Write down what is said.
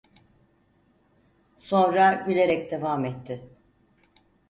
Sonra gülerek devam etti: